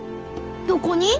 どこに？